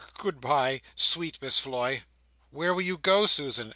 Go ood bye, sweet Miss Floy!" "Where will you go, Susan?"